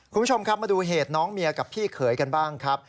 คุณผู้ชมครับมาดูเหตุน้องเมียกับพี่เขยกันบ้างครับ